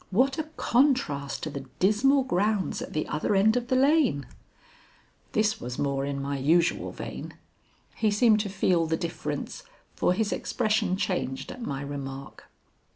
"What a contrast to the dismal grounds at the other end of the lane!" This was more in my usual vein. He seemed to feel the difference, for his expression changed at my remark.